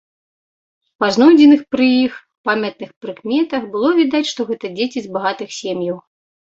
Па знойдзеных пры іх памятных прыкметах было відаць, што гэта дзеці з багатых сем'яў.